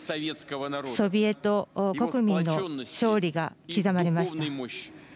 世界の歴史にソビエト国民の勝利が刻まれました。